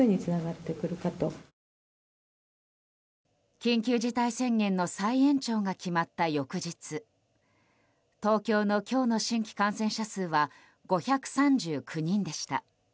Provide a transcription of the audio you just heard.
緊急事態宣言の再延長が決まった翌日東京の今日の新規感染者数は５３９人でした。